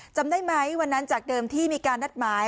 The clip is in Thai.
จำได้ไหมวันนั้นจากเดิมที่มีการนัดหมาย